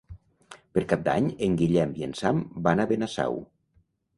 Per Cap d'Any en Guillem i en Sam van a Benasau.